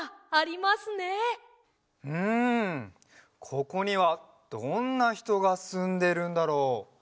ここにはどんなひとがすんでるんだろう？